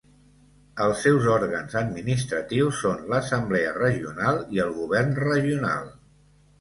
Els seus òrgans administratius són l'Assemblea Regional i el Govern Regional.